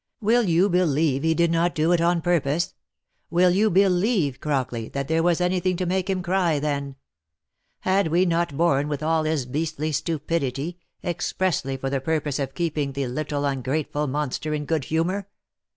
" Will you believe he did not do it on purpose ? Will you believe Crockley, that there was any thing to make him cry then I Had we not borne with all his beastly stupidity, expressly for the purpose of keeping the little ungrateful monster in good humour